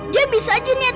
dia bisa aja nih